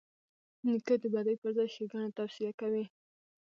نیکه د بدۍ پر ځای ښېګڼه توصیه کوي.